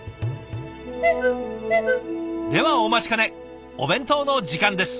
ではお待ちかねお弁当の時間です。